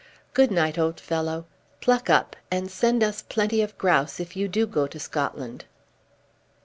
Good night, old fellow. Pluck up, and send us plenty of grouse if you do go to Scotland."